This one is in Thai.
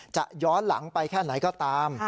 ย้อนหลังไปแค่ไหนก็ตาม